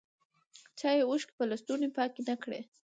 چایې اوښکي په لستوڼي پاکي نه کړې